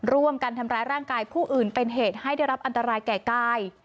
ร่วมกันทำร้ายร่างกายผู้อื่นเป็นเหตุให้ได้รับอันตรายแก่กาย